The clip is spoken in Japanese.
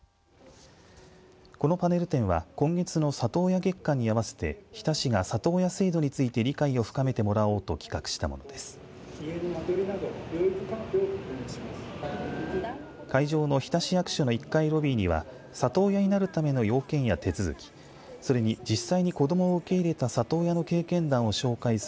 このパネル展は今月の里親月間に合わせて日田市が里親制度について理解を深めてもらおうと企画したものです。